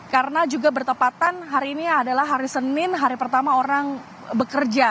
karena juga bertepatan hari ini adalah hari senin hari pertama orang bekerja